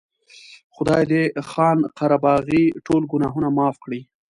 خدای دې خان قره باغي ټول ګناهونه معاف کړي.